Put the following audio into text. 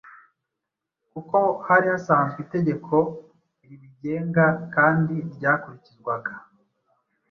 kuko hari hasanzwe itegeko ribigenga kandi ryakurikizwaga